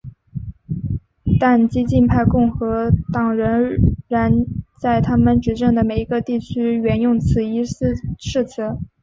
但激进派共和党人仍然在他们执政的每一个地区援用此一誓词。